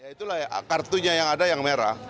itulah ya kartunya yang ada yang merah